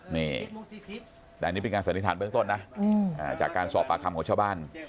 นี่แต่อันนี้เป็นการสันนิษฐานเบื้องต้นนะจากการสอบปากคำของชาวบ้าน